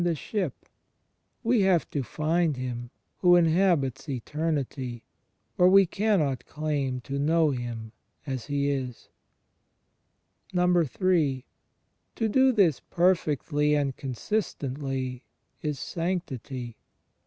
8 98 THE JIOENDSHIP OF CHRIST we have to find Him Who inhabits eternity; or we cannot claim to know Him as He is. in. To do this perfectly and consistently is Sanctity.